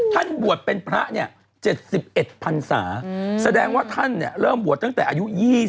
ท่านบวชเป็นพระเนี่ย๗๑พันศาแสดงว่าท่านเริ่มบวชตั้งแต่อายุ๒๐